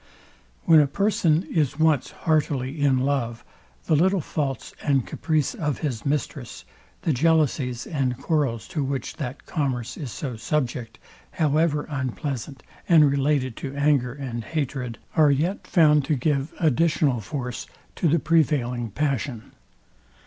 When a person is once heartily in love, the little faults and caprices of his mistress, the jealousies and quarrels, to which that commerce is so subject; however unpleasant and related to anger and hatred; are yet found to give additional force to the prevailing passion.